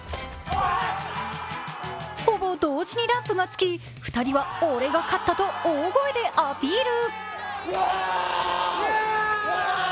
ほぼ同時にランプがつき、２人は俺が勝ったと大声でアピール。